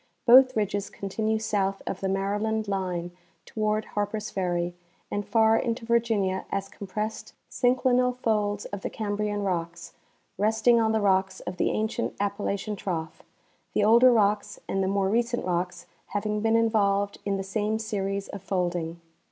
Both ridges con tinue south of the Maryland line toAvard Harpers Ferry and far into Virginia as compressed synclinal folds of the Cambrian rocks, resting on the rocks of the ancient Appalachian trough, the older rocks and the more recent rocks having been involved in the same series of folding.